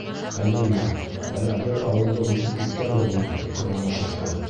— Ә ниңә, әллә беҙ ауылды үтеп киткәнбеҙме? — тип һораны шофер.